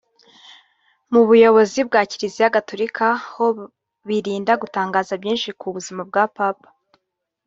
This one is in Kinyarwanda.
Mu buyobozi bwa Kiliziya Gatolika ho birinda gutangaza byinshi ku buzima bwa Papa